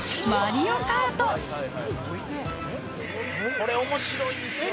これ面白いんですよね。